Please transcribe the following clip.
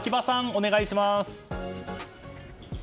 お願いします。